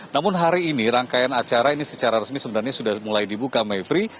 namun hari ini rangkaian acara ini secara resmi sebenarnya sudah mulai dibuka mevri